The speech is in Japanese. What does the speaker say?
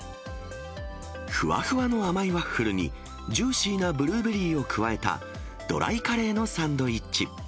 ふわふわの甘いワッフルにジューシーなブルーベリーを加えた、ドライカレーのサンドイッチ。